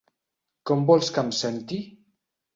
Com vols que em senti?